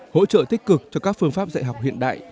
hỗ trợ tích cực cho các phương pháp dạy học hiện đại